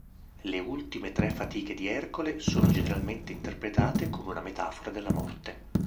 Le ultime tre Fatiche di Ercole sono generalmente interpretate come una metafora della morte.